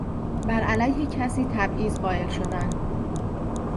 برعلیه کسی تبعیض قایل شدن